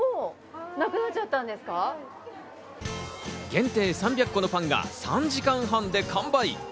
限定３００個のパンが３時間半で完売。